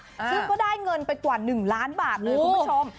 ซึ่งก็ได้เงินไปกว่า๑ล้านบาทเลยคุณผู้ชม